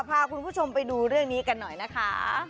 พาคุณผู้ชมไปดูเรื่องนี้กันหน่อยนะคะ